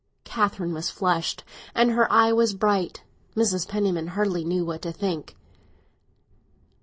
Catherine was flushed, and her eye was bright. Mrs. Penniman hardly knew what to think.